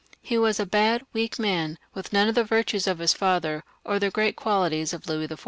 He was a bad weak man, with none of the virtues of his father, or the great quaUties of Louis XIV.